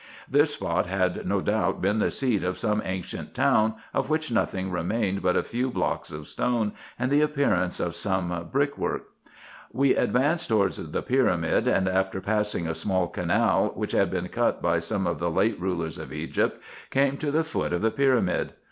This spot had no doubt been the seat of some ancient town, of which nothing remained but a few blocks of stone, and the appearance of some brick work. We advanced towards the pyramid, and, after passing a small canal, which had been cut by some of the late rulers of Egypt, came to the foot of the pyramid.